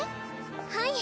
はい。